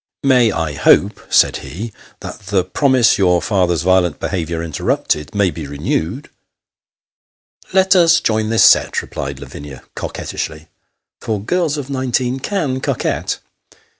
May I hope," said he, " that the promise your father's violent behaviour interrupted, may be renewed V " "Let us join this set," replied Lavinia, coquettishly for girls of nineteen can coquette.